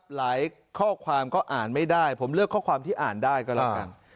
หลายข้อความก็อ่านไม่ได้ผมเลือกข้อความที่อ่านได้ก็แล้วกัน